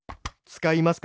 つかいます！